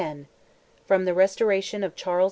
FROM THE RESTORATION OF CHARLES II.